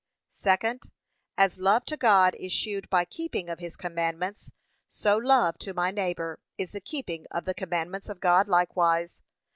Second, As love to God is shewed by keeping of his commandments; so love to my neighbour, is the keeping of the commandments of God likewise.